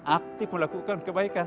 aktif melakukan kebaikan